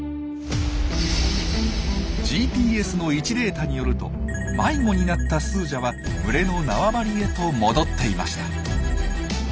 ＧＰＳの位置データによると迷子になったスージャは群れの縄張りへと戻っていました。